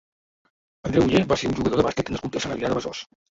Andreu Oller va ser un jugador de bàsquet nascut a Sant Adrià de Besòs.